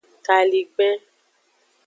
Kaligben.